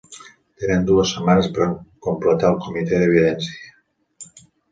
Tenen dues setmanes per completar el Comitè d'Evidència.